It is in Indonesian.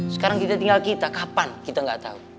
sekarang kita tinggal kita kapan kita nggak tahu